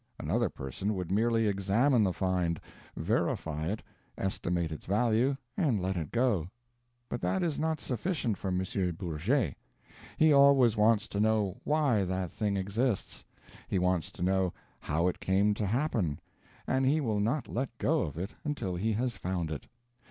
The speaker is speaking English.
Another person would merely examine the find, verify it, estimate its value, and let it go; but that is not sufficient for M. Bourget: he always wants to know why that thing exists, he wants to know how it came to happen; and he will not let go of it until he has found out.